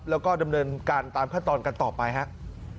แล้วก็ดำเนินการตามขั้นตอนกันต่อไปครับ